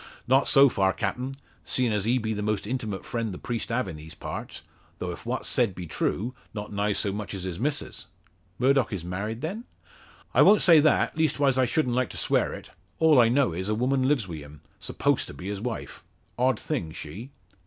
"Not so far, captain; seein' as he be the most intimate friend the priest have in these parts; though if what's said be true, not nigh so much as his Missus." "Murdock is married, then?" "I won't say that leastwise I shouldn't like to swear it. All I know is, a woman lives wi' him, s'posed to be his wife. Odd thing she."